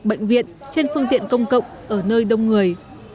bệnh viện trên phương tiện công cộng ở nơi đông người